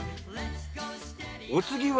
お次は。